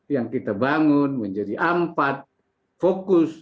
yang kita bangun menjadi empat fokus